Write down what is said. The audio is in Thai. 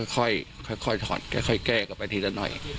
ค่อยถอดค่อยแก้กลับไปทีละหน่อย